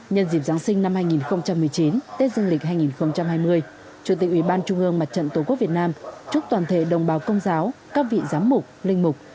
nhân dịp giáng sinh năm hai nghìn một mươi chín tết dương lịch hai nghìn hai mươi chủ tịch ủy ban trung ương mặt trận tổ quốc việt nam chúc toàn thể đồng bào công giáo các vị giám mục linh mục